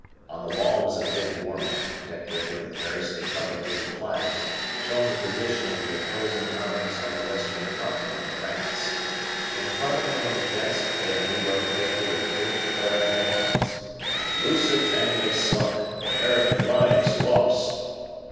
On the wall was a big war map decorated with variously colored little flags showing the position of the opposing armies on the Western Front in France. In front of me on the desk lay a New York paper with big flaring headlines: LUSITANIA SUNK! AMERICAN LIVES LOST!